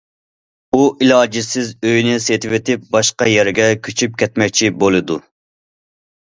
ئۇ ئىلاجسىز ئۆيىنى سېتىۋېتىپ، باشقا يەرگە كۆچۈپ كەتمەكچى بولىدۇ.